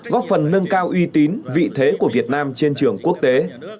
góp phần nâng cao uy tín vị thế của việt nam trên trường quốc tế